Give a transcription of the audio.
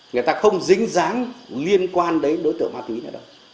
người ta không dính dáng liên quan đến đối tượng ma túy nào đâu